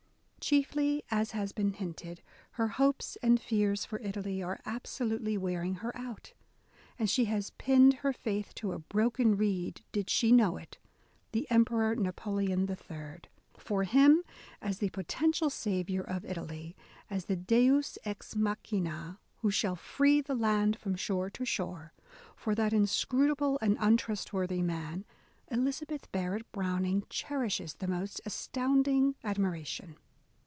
Chiefly, as has been hinted, her hopes and fears for Italy are absolutely wearing her out ; and she has pinned her faith to a broken reed, did she know it —the Emperor Napoleon III. For him, as the potential saviour of Italy, as the deus ex machina who shall free the land from shore to shore, — for that inscru table and untrustworthy man, Elizabeth Barrett Browning cherishes the most astounding admira tion.